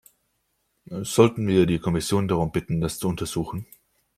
Sollten wir die Kommission darum bitten, das zu untersuchen?